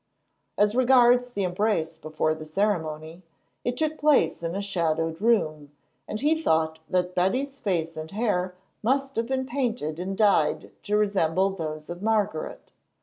As regards the embrace before the ceremony, it took place in a shadowed room, and he thought that Betty's face and hair must have been painted and dyed to resemble those of Margaret.